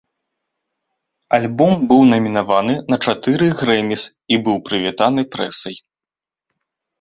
Альбом быў намінаваны на чатыры грэміс і быў прывітаны прэсай.